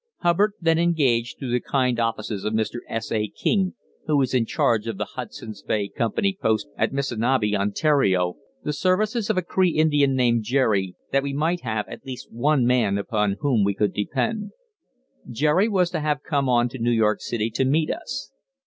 Hubbard then engaged through the kind offices of Mr. S. A. King, who was in charge of the Hudson's Bay Company Post at Missanabie, Ontario, the services of a Cree Indian named Jerry, that we might have at least one man upon whom we could depend. Jerry was to have come on to New York City to meet us.